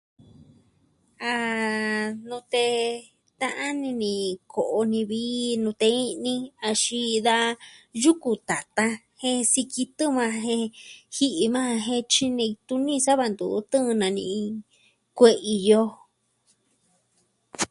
A nute ta'an ini ni ko'o ni vi nute i'ni axin da yuku tatan jen sikitɨ maa jen ji'i maa jen tyinei tuni sava ntu tɨɨn na ni'in kue'i yoo.